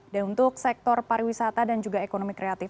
dan untuk sektor pariwisata dan juga ekonomi kreatif